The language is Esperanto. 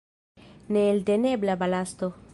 Neeltenebla balasto!